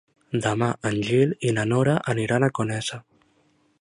Demà en Gil i na Nora aniran a Conesa.